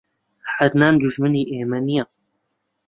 عەدنان دوژمنی ئێمە نییە.